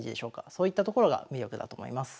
そういったところが魅力だと思います。